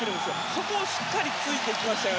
そこをしっかり突きました。